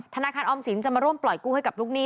ธนาคารออมสินจะมาร่วมปล่อยกู้ให้กับลูกหนี้